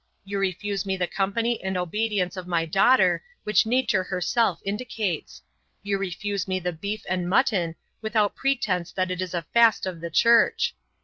You refuse me the company and obedience of my daughter, which Nature herself indicates. You refuse me the beef and mutton, without pretence that it is a fast of the Church.